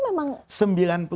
memang lebih dari itu